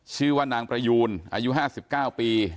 ชื่อว่านางประยูนอายุ๕๙ปี